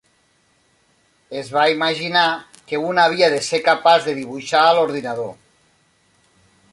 Es va imaginar que un havia de ser capaç de dibuixar a l'ordinador.